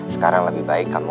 sekarang lebih baik kamu